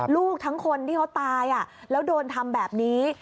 ลูกทั้งคนที่เขาตายแล้วโดนทำแบบนี้